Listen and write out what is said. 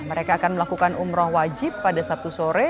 mereka akan melakukan umroh wajib pada sabtu sore